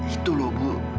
itu loh bu